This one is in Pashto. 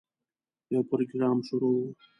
یو پروګرام شروع و.